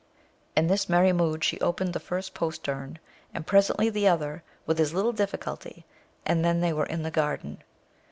In this merry mood she opened the first pos tern, and presently the other with as little difficulty, and then they were in the garden.